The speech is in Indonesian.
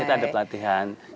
kita ada pelatihan